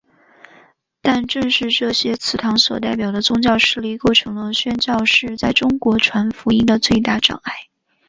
但正是这些祠堂所代表的宗族势力构成了宣教士在中国传福音的最大障碍。